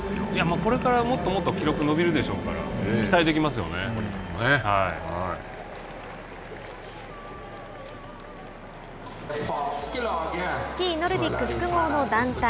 これから、もっともっと記録が伸びるでしょうからスキーノルディック複合の団体。